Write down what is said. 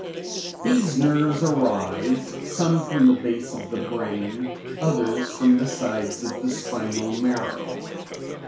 These nerves arise, some from the base of the brain, others from the sides of the spinal marrow.